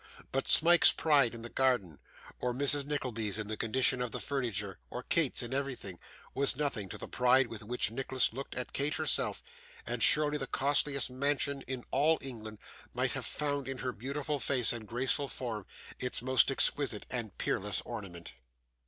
But Smike's pride in the garden, or Mrs. Nickleby's in the condition of the furniture, or Kate's in everything, was nothing to the pride with which Nicholas looked at Kate herself; and surely the costliest mansion in all England might have found in her beautiful face and graceful form its most exquisite and peerless ornament.